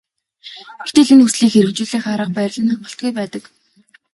Гэтэл энэ хүслийг хэрэгжүүлэх арга барил нь хангалтгүй байдаг.